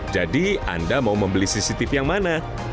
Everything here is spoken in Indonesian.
anda mau membeli cctv yang mana